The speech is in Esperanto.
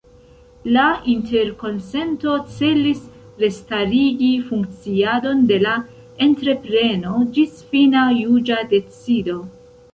La interkonsento celis restarigi funkciadon de la entrepreno ĝis fina juĝa decido.